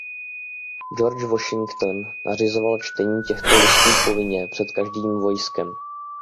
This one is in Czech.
George Washington nařizoval čtení těchto listů povinně před každým vojskem.